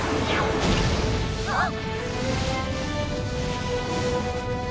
あっ！